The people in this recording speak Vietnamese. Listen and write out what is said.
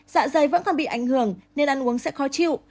dạ dày vẫn còn bị ảnh hưởng nên ăn uống sẽ khó chịu